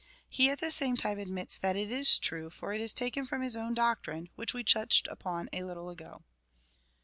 he at the same time admits that it is true, for it is taken from his own doctrine, which we touched upon a little ago.